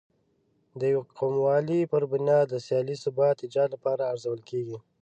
د یو قوموالۍ پر بنا د سیاسي ثبات ایجاد لپاره ارزول کېږي.